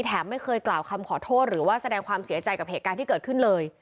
ไม่เคยกล่าวคำขอโทษหรือว่าแสดงความเสียใจกับเหตุการณ์ที่เกิดขึ้นเลย